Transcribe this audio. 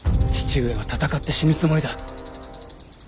父上は戦って死ぬつもりだ。